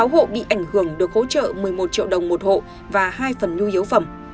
sáu hộ bị ảnh hưởng được hỗ trợ một mươi một triệu đồng một hộ và hai phần nhu yếu phẩm